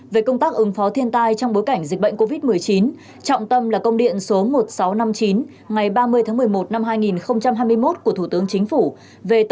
về công tác ứng phó thiên tai trong bối cảnh dịch bệnh covid một mươi chín